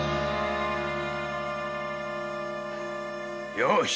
よし！